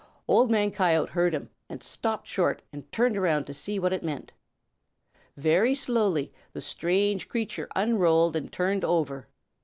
_] Old Man Coyote heard him and stopped short and turned to see what it meant. Very slowly the strange creature unrolled and turned over.